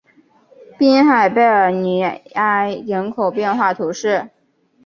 滨海贝尔尼埃人口变化图示